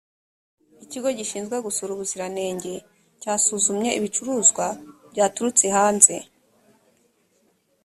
ikigo gishinzwe gutsura ubuziranenge cyasuzumye ibicuruzwa byaturutse hanze